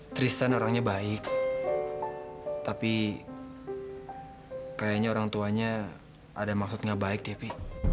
tristan orangnya baik tapi kayaknya orang tuanya ada maksudnya baik devi